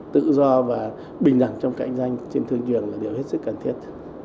tự do và bình đẳng trong cạnh tranh trên thương trường là điều hết sức cần thiết